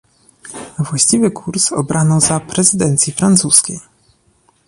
Właściwy kurs obrano za prezydencji francuskiej